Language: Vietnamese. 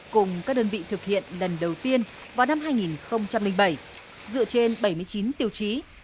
cùng các đơn vị thực hiện lần đầu tiên vào năm hai nghìn bảy dựa trên bảy mươi chín tiêu chí